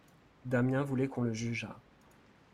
Damiens voulait qu'on le jugeât.